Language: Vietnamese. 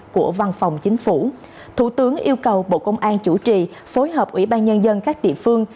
chính phủ thủ tướng yêu cầu bộ công an chủ trì phối hợp ủy ban nhân dân các địa phương